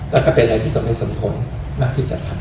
และก็เป็นอย่างที่สมเนศสมควรมากที่จะทำ